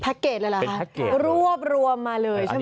แพ็กเกจแล้วเหรอคะรวบมาเลยใช่ไหม